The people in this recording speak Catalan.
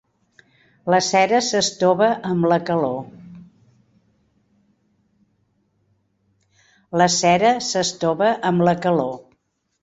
La cera s'estova amb la calor.